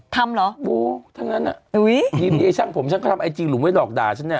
ทำหรอโอ้หำได้ให้ฉั่งผมฉันก็ทำไอจีหลุมไว้หลอกด่าฉันเนี่ย